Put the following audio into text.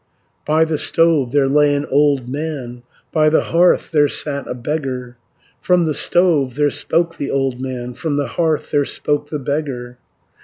'" By the stove there lay an old man, By the hearth there sat a beggar; From the stove there spoke the old man, From the hearth there spoke the beggar.